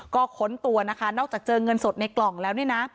ก็ค้นตัวนะคะนอกจากเจอเงินสดในกล่องแล้วเนี่ยนะ